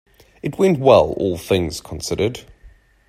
It went well, all things considered.